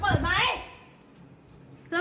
บอกให้เปิด